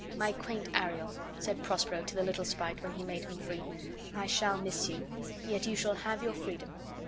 "My quaint Ariel," said Prospero to the little sprite when he made him free, "I shall miss you; yet you shall have your freedom."